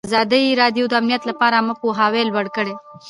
ازادي راډیو د امنیت لپاره عامه پوهاوي لوړ کړی.